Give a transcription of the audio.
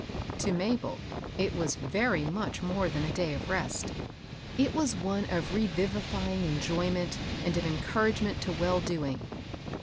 To Mabel it was very much more than a day of rest ; it was one of revivifying enjoyment and of encouragement to well doing.